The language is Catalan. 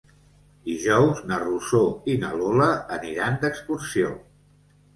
Dijous na Rosó i na Lola aniran d'excursió.